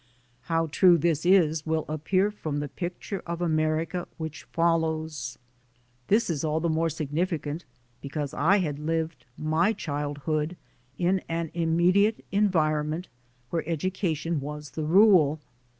How true this is will appear from the picture of America which follows. This is all the more significant because I had lived my childhood in an immediate environment where education was the rule.